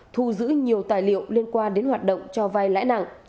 thu giữ nhiều tài liệu liên quan đến hoạt động cho vai lãi nặng